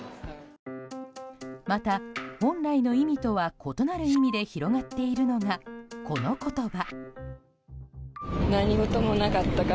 また、本来の意味とは異なる意味で広がっているのがこの言葉。